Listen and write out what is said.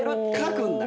書くんだ。